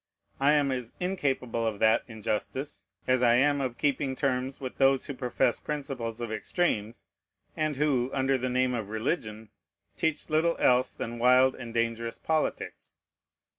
I am as incapable of that injustice as I am of keeping terms with those who profess principles of extremes, and who, under the name of religion, teach little else than wild and dangerous politics.